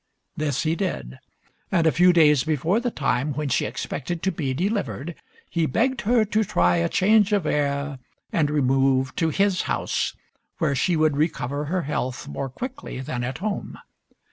This he did, and, a few days before the time when she expected to be delivered, he begged her to try a change of air and remove to his house, where she would recover her health more quickly than at home.